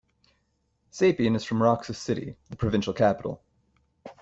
Sapian is from Roxas City, the provincial capital.